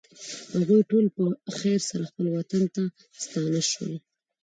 هغوی ټول په خیر سره خپل وطن ته ستانه شول.